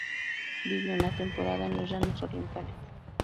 Vivió una temporada en los llanos orientales.